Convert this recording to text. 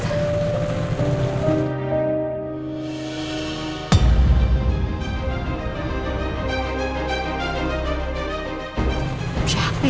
mas almanis sih hama banget